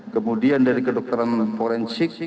kemudian dari kedokteran forensik